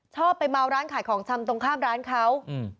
ชอบไปเมาร้านขายของชำตรงข้ามร้านเขา